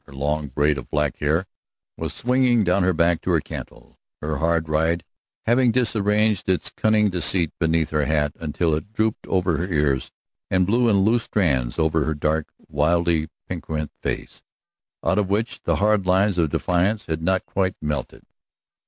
Her long braid of black hair was swinging down her back to her cantle, her hard ride having disarranged its cunning deceit beneath her hat until it drooped over her ears and blew in loose strands over her dark, wildly piquant face, out of which the hard lines of defiance had not quite melted.